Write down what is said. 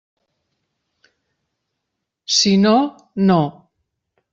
Si no, no.